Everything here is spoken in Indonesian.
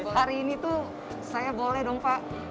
hari ini tuh saya boleh dong pak